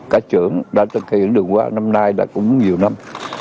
cả trưởng đã thực hiện đường hoa năm nay đã cũng nhiều năm